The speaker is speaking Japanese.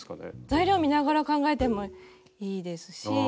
材料見ながら考えてもいいですし。